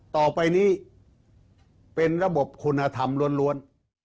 ต่อไปนี้เป็นระบบคุณธรรมล้วน